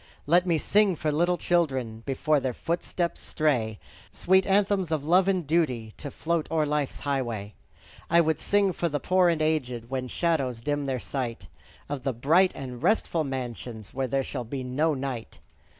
Let me sing for little children, Before their footsteps stray, Sweet anthems of love and duty, To float o'er life's highway. I would sing for the poor and aged, When shadows dim their sight; Of the bright and restful mansions, Where there shall be no night.